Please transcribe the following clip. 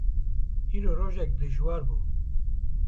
Îro rojek dijwar bû.